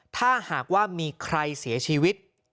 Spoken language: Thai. ถ้าหากว่ามีใครเสียชีวิต